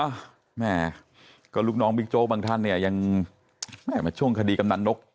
แม่ก็ลูกน้องบิ๊กโจ๊กบางท่านเนี่ยยังแม่มาช่วงคดีกำนันนก